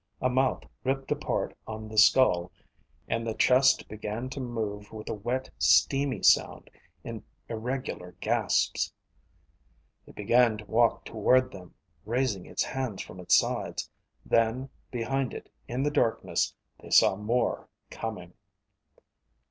A mouth ripped apart on the skull, and the chest began to move with a wet steamy sound in irregular gasps. It began to walk toward them, raising its hands from its sides. Then, behind it in the darkness, they saw more coming.